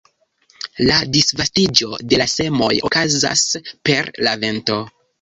La disvastiĝo de la semoj okazas per la vento.